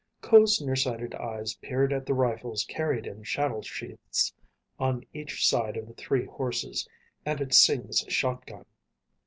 Ko's nearsighted eyes peered at the rifles carried in saddle sheaths on each of the three horses, and at Sing's shotgun.